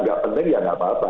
tidak penting ya tidak apa apa